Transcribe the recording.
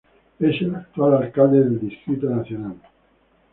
Es el actual Alcalde del Distrito Nacional.